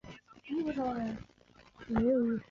洪秀全死后尸体被秘密葬在天王府的后花园内。